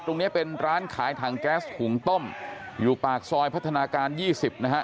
ตรงนี้เป็นร้านขายถังแก๊สหุงต้มอยู่ปากซอยพัฒนาการ๒๐นะฮะ